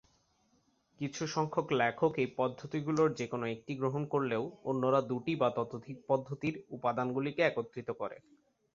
কিছুসংখ্যক লেখক এই পদ্ধতিগুলোর যেকোনো একটি গ্রহণ করলেও অন্যরা দুটি বা ততোধিক পদ্ধতির উপাদানগুলিকে একত্রিত করে।